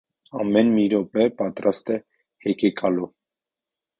ամեն մի րոպե պատրաստ էր հեկեկալու: